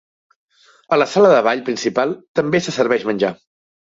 A la sala de ball principal també se serveix menjar.